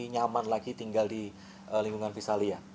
nyaman lagi tinggal di lingkungan visalia